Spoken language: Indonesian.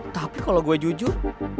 tapi kalau gue jujur